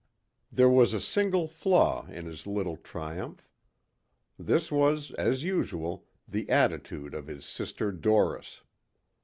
There was a single flaw in his little triumph. This was, as usual, the attitude of his sister Doris.